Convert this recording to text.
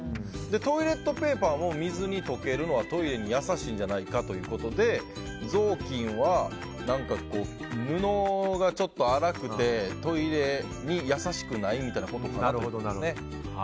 トイレットペーパーも水に溶けるのはトイレに優しいんじゃないかということで雑巾は、布がちょっと粗くてトイレに優しくないみたいなことかなって。